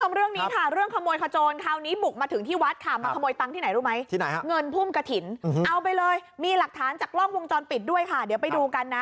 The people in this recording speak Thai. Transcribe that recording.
คุณผู้ชมเรื่องนี้ค่ะเรื่องขโมยขโจรคราวนี้บุกมาถึงที่วัดค่ะมาขโมยตังค์ที่ไหนรู้ไหมที่ไหนฮะเงินพุ่มกระถิ่นเอาไปเลยมีหลักฐานจากกล้องวงจรปิดด้วยค่ะเดี๋ยวไปดูกันนะ